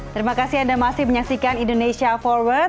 terima kasih anda masih menyaksikan indonesia forward